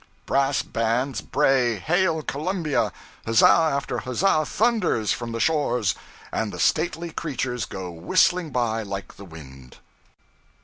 Brass bands bray Hail Columbia, huzza after huzza thunders from the shores, and the stately creatures go whistling by like the wind.